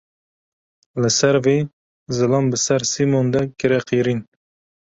Li ser vê, zilam bi ser Sîmon de kire qêrîn.